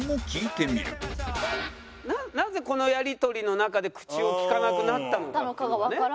なぜこのやり取りの中で口を利かなくなったのかっていうのがね。